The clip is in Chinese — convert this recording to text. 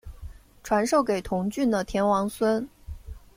传授给同郡的田王孙。